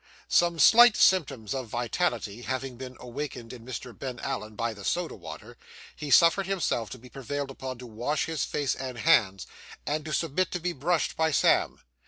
Some slight symptoms of vitality having been awakened in Mr. Ben Allen by the soda water, he suffered himself to be prevailed upon to wash his face and hands, and to submit to be brushed by Sam.